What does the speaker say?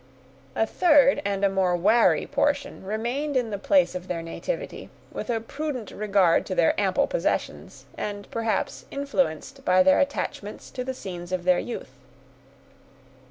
A third, and a more wary portion, remained in the place of their nativity, with a prudent regard to their ample possessions, and, perhaps, influenced by their attachments to the scenes of their youth.